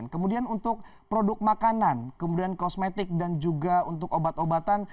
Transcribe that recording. kemudian untuk produk makanan kemudian kosmetik dan juga untuk obat obatan